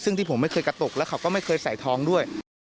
ซึ่งที่ผมไม่เคยกระตุกแล้วเขาก็ไม่เคยใส่ท้องด้วย